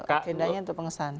agendanya untuk pengesahan